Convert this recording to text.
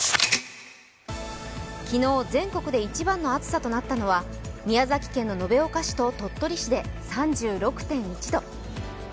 昨日全国で一番の暑さとなったのは、宮崎県の延岡市と鳥取市で３６．１度。